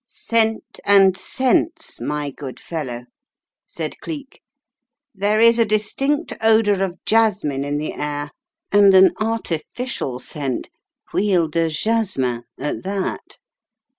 "Scent and sense, my good fellow," said Cleek. "' There is a distinct odour of jasmine in the air and an artificial scent, Huile de jasmin at that.